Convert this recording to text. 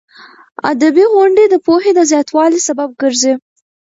ادبي غونډې د پوهې د زیاتوالي سبب ګرځي.